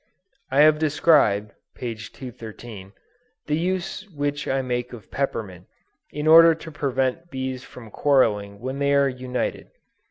I have described, (p. 213,) the use which I make of peppermint, in order to prevent bees from quarreling when they are united.